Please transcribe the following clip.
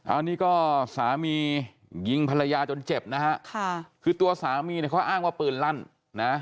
อันนี้ก็สามียิงภรรยาจนเจ็บนะฮะค่ะคือตัวสามีเนี่ยเขาอ้างว่าปืนลั่นนะ